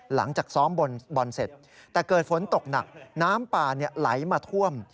หลังจากซ้อมบอลเสร็จแต่เกิดฝนตกหนักน้ำป่าไหลมาท่วม